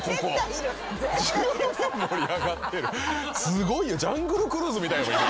すごいよジャングルクルーズみたいやもん。